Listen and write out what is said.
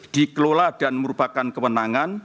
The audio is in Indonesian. dikelola dan merupakan kewenangan